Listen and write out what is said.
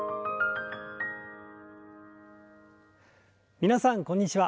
皆さんこんにちは。